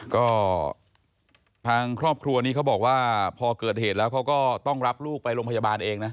ก็ทางครอบครัวนี้เขาบอกว่าพอเกิดเหตุแล้วเขาก็ต้องรับลูกไปโรงพยาบาลเองนะ